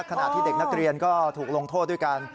ขณะที่เด็กนักเรียนก็ถูกลงโทษด้วยกัน